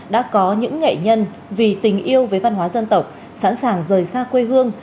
đã có những nghệ nhân vì tình yêu với văn hóa dân tộc sẵn sàng rời xa quê hương